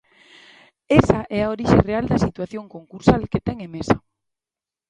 Esa é a orixe real da situación concursal que ten Emesa.